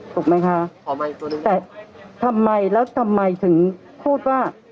ถูกไหมคะขอไม่ตัวหนึ่งแต่แล้วทำไมถึงพูดว่า